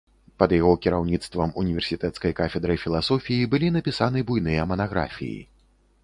Пад яго кіраўніцтвам універсітэцкай кафедрай філасофіі былі напісаны буйныя манаграфіі.